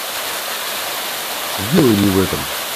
Дело не в этом.